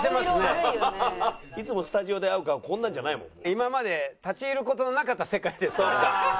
今まで立ち入る事のなかった世界ですから。